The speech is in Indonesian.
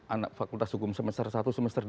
anak fakultas hukum semester satu semester dua